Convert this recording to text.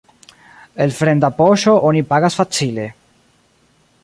El fremda poŝo oni pagas facile.